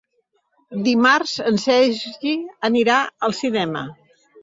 Dimarts en Sergi anirà al cinema.